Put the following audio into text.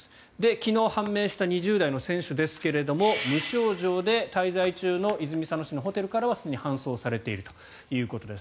昨日判明した２０代の選手ですけれども無症状で滞在中の泉佐野市のホテルからはすでに搬送されているということです。